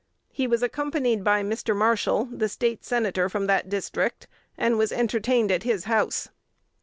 He was accompanied by Mr. Marshall, the State Senator from that district, and was entertained at his house.